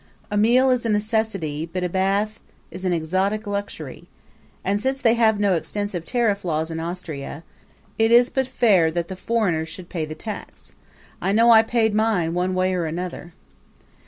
A meal is a necessity, but a bath is an exotic luxury; and, since they have no extensive tariff laws in Austria, it is but fair that the foreigner should pay the tax. I know I paid mine, one way or another.